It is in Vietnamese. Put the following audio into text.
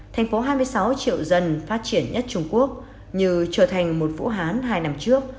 thành phố hai mươi sáu triệu dân phát triển nhất trung quốc như trở thành một vũ hán hai năm trước